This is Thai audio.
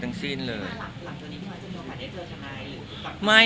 หลังตัวนี้พี่มันจะเจอกันได้เจอกันไหม